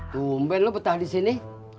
tumben lo betah di sini